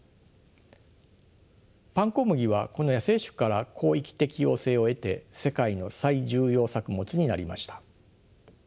パンコムギはこの野生種から広域適応性を得て世界の最重要作物になりました。